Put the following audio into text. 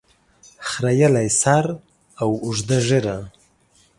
خریلي سر او اوږده ږیره